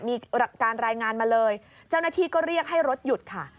มีการรายงานมาเลยเจ้าหน้าที่ก็เรียกให้รถหยุดค่ะ